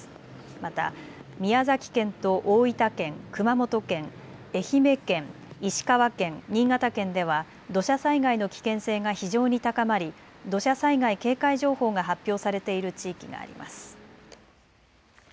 また宮崎県と大分県、熊本県、愛媛県、石川県、新潟県では土砂災害の危険性が非常に高まり土砂災害警戒情報が発表されている地域があります。